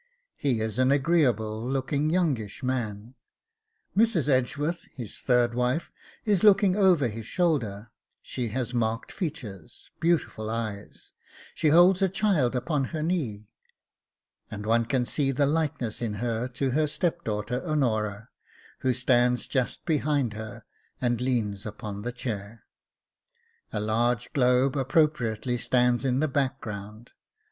He is an agreeable looking youngish man; Mrs. Edgeworth, his third wife, is looking over his shoulder; she has marked features, beautiful eyes, she holds a child upon her knee, and one can see the likeness in her to her step daughter Honora, who stands just behind her and leans against the chair. A large globe appropriately stands in the background.